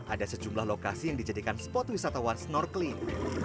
ada sejumlah lokasi yang dijadikan spot wisatawan snorkeling